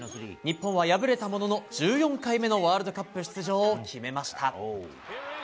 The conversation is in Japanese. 日本は敗れたものの１４回目のワールドカップ出場を決めました。